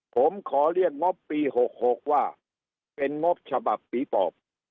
ผมขอเรียกงบปี๖๖ว่าเป็นงบฉบับปีปอบ